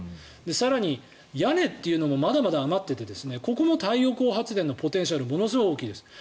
更に屋根というのもまだまだ余っていてここも太陽光発電のポテンシャルがものすごい大きいです。